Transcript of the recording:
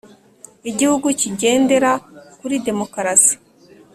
Igihugu kigendera kuri demokarasi